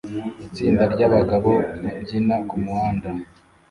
Itsinda ryabagabo babyina kumuhanda